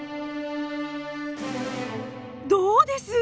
どうです？